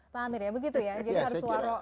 pak amir ya begitu ya